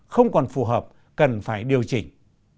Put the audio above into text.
không còn phù hợp cần phải điều chỉnh